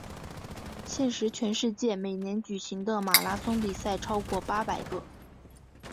现时全世界每年举行的马拉松比赛超过八百个。